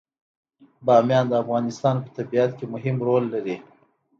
بامیان د افغانستان په طبیعت کې مهم رول لري.